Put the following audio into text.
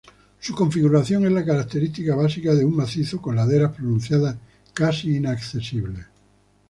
Su configuración es la característica básica de un macizo con laderas pronunciadas, casi inaccesibles.